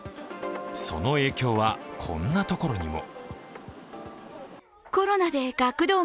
その影響はこんなところにも。